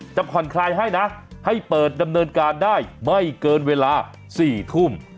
ผ่อนคลายให้นะให้เปิดดำเนินการได้ไม่เกินเวลา๔ทุ่ม